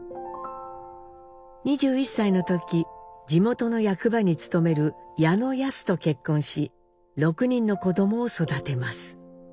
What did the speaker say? ２１歳の時地元の役場に勤める矢野安と結婚し６人の子どもを育てます。